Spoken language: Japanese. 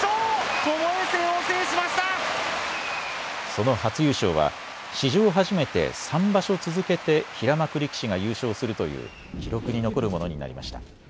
その初優勝は史上初めて３場所続けて平幕力士が優勝するという記録に残るものになりました。